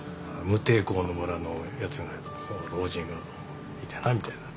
「無抵抗の村のやつが老人がこういてな」みたいな。